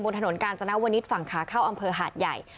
ถนนกาญจนวนิษฐ์ฝั่งขาเข้าอำเภอหาดใหญ่